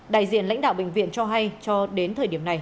đại diện lãnh đạo bệnh viện cho hay cho đến thời điểm này